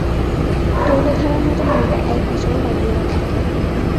তৈলধারার মত মনটা এক বিষয়ে লাগিয়ে রাখতে হয়।